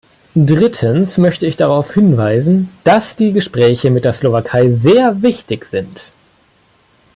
Drittens möchte ich darauf hinweisen, dass die Gespräche mit der Slowakei sehr wichtig sind.